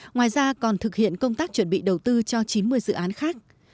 ngoài ra còn thực hiện công tác chuẩn bị đầu tư cho chín mươi dự án khác